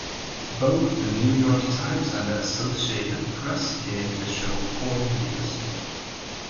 Both "The New York Times" and the Associated Press gave the show poor reviews.